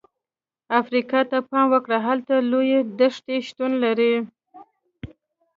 افریقا ته پام وکړئ، هلته لویې دښتې شتون لري.